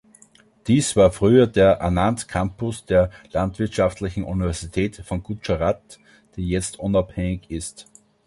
Dies war früher der Anand-Campus der Landwirtschaftlichen Universität von Gujarat, die jetzt unabhängig ist.